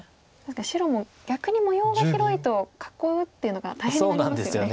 白も逆に模様が広いと囲うっていうのが大変になりますよね。